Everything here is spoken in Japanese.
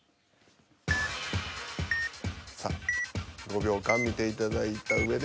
さあ５秒間見ていただいたうえで。